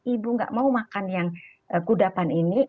ibu gak mau makan yang kudapan ini